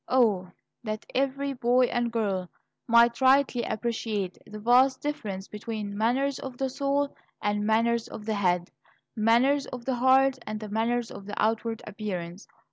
O, that every boy and girl might rightly appreciate the vast difference between manners of the soul and manners of the head, manners of the heart and manners of the outward appearance!